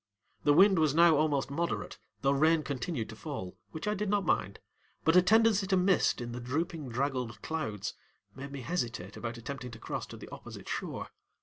The wind was now almost moderate, though rain continued to fall, which I did not mind, but a tendency to mist in the drooping draggled clouds made me hesitate about attempting to cross to the opposite shore.